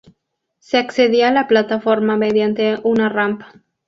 Se accedía a la plataforma mediante una rampa.